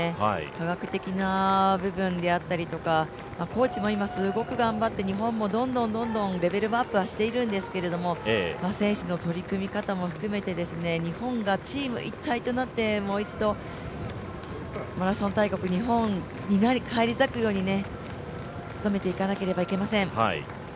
科学的な部分であったりとか今、コーチもすごく頑張っていて、日本もどんどんレベルアップしているんですけど選手の取り組み方も含めて、日本がチーム一体となってもう一度、マラソン大国日本に返り咲くように努めていかなければ成りません。